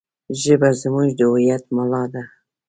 ژبه زموږ د هویت ملا ده.